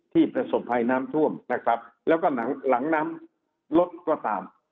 ประสบภัยน้ำท่วมนะครับแล้วก็หลังน้ำลดก็ตาม